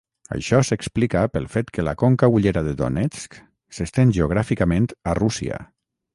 Això s'explica pel fet que la conca hullera de Donetsk s'estén geogràficament a Rússia.